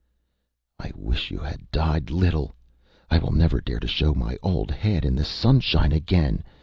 ÂI wish you had died little. I will never dare to show my old head in the sunshine again.